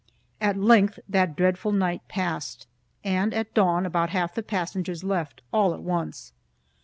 At length that dreadful night passed, and at dawn about half the passengers left, all at once.